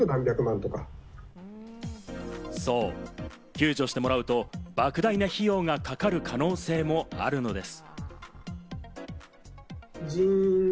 救助してもらうと、莫大な費用がかかる可能性もあるのです。